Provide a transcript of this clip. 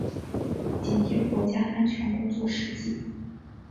紧贴国家安全工作实际